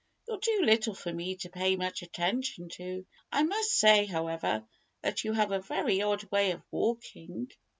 You're too little for me to pay much attention to. I must say, however, that you have a very odd way of walking."